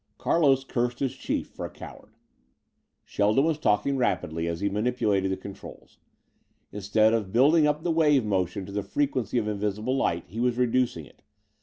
Carlos cursed his chief for a coward. Shelton was talking rapidly as he manipulated the controls. Instead of building up the wave motion to the frequency of invisible light he was reducing it.